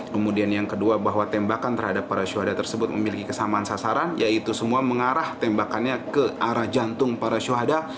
kemudian yang kedua bahwa tembakan terhadap para syuhada tersebut memiliki kesamaan sasaran yaitu semua mengarah tembakannya ke arah jantung para syuhada